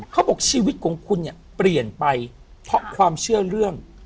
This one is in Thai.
เขาบอกชีวิตของคุณเนี่ยเปลี่ยนไปเพราะความเชื่อเรื่อง